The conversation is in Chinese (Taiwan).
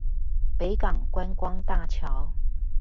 北港觀光大橋